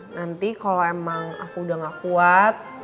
nanti kalau emang aku udah gak kuat